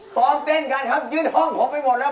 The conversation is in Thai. ซ้อมเต้นกันครับยื่นห้องผมไปหมดแล้ว